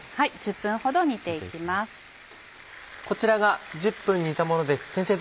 こちらが１０分煮たものです先生